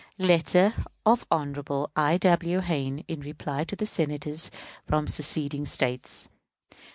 _Letter of Hon. I. W. Hayne in reply to Senators from seceding States.